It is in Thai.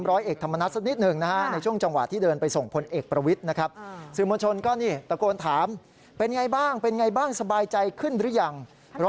เป็นยังไงบ้างเป็นยังไงบ้างสบายใจขึ้นหรือยัง